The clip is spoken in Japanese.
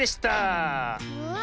うわ！